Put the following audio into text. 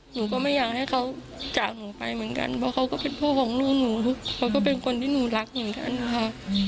หนูก็ไม่อยากให้เขาจากหนูไปเหมือนกันเพราะเขาก็เป็นพ่อของหนูเขาก็เป็นคนที่หนูรักเหมือนกันนะคะ